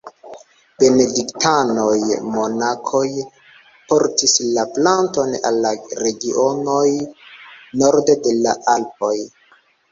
Benediktanoj-monakoj portis la planton al la regionoj norde de la Alpoj.